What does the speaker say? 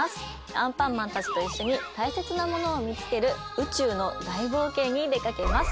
アンパンマンたちと一緒に大切なものを見つける宇宙の大冒険に出かけます。